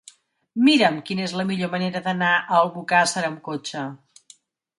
Mira'm quina és la millor manera d'anar a Albocàsser amb cotxe.